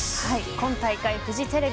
今大会フジテレビ